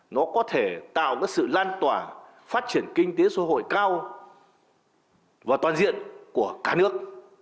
nó có thể tạo cái sự lan tỏa phát triển kinh tế xã hội cao và toàn diện của cả nước